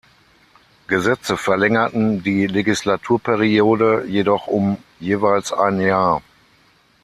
Gesetze verlängerten die Legislaturperiode jedoch um jeweils ein Jahr.